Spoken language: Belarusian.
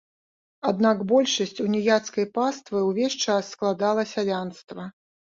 Аднак большасць уніяцкай паствы ўвесь час складала сялянства.